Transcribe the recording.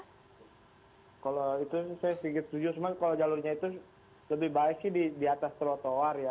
kalau itu saya sujudin kalau jalurnya itu lebih baik sih di atas trotoar ya